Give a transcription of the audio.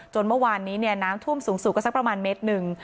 เมื่อวานนี้น้ำท่วมสูงก็สักประมาณเมตรหนึ่ง